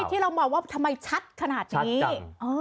ที่เรามองว่าทำไมชัดขนาดนี้